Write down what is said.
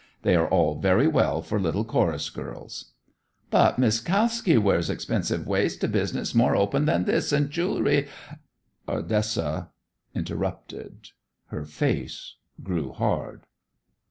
They are all very well for little chorus girls." "But Miss Kalski wears expensive waists to business more open than this, and jewelry " Ardessa interrupted. Her face grew hard.